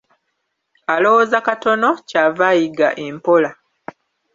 Alowooza katono, ky'ava ayiga empola.